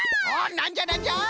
なんじゃなんじゃ？